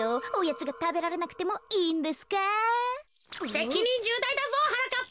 せきにんじゅうだいだぞはなかっぱ。